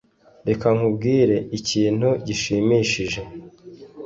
Reka nkubwire ikintu gishimishije.